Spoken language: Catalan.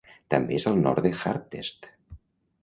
També és al nord de Hartest.